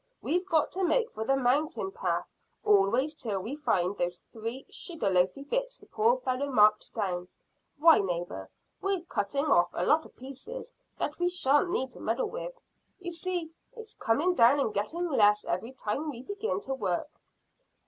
We've got to make for the mountain path always till we find those three sugar loafy bits the poor fellow marked down. Why, neighbour, we're cutting off a lot of pieces that we shan't need to meddle with. You see, it's coming down and getting less every time we begin to work."